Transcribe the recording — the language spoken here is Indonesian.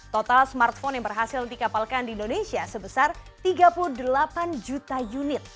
total smartphone yang berhasil dikapalkan di indonesia sebesar tiga puluh delapan juta unit